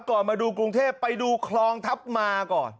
ก่อนมาดูกรุงเทพไปดูคลองทัพมาก่อน